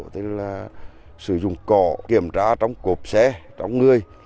thì là sử dụng cỏ kiểm tra trong cộp xe trong người